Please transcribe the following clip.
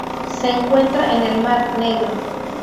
Se encuentra en el Mar Negro.